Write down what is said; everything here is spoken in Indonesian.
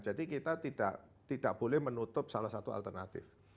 jadi kita tidak boleh menutup salah satu alternatif